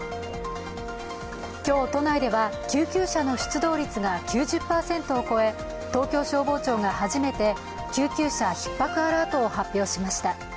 今日、都内では救急車の出動率が９０％を超え、東京消防庁が初めて救急車ひっ迫アラートを発表しました。